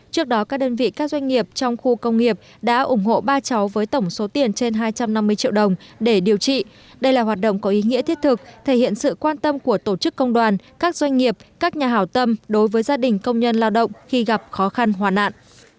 trước đó các đơn vị các doanh nghiệp trong khu công nghiệp đã ủng hộ ba cháu với tổng số tiền trên hai trăm năm mươi triệu đồng để điều trị đây là hoạt động có ý nghĩa thiết thực thể hiện sự quan tâm của tổ chức công đoàn các doanh nghiệp các nhà hảo tâm đối với gia đình công nhân lao động khi gặp khó khăn hoàn nạn